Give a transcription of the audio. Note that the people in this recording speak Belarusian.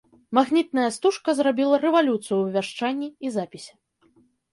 Магнітная стужка зрабіла рэвалюцыю ў вяшчанні і запісе.